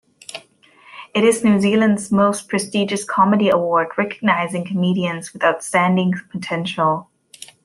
It is New Zealand's most prestigious comedy award, recognising comedians with outstanding potential.